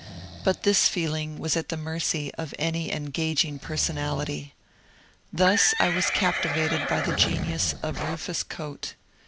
But this feeling was at the mercy of any engaging personality. Thus I was captivated by the genius of Bufus Choate.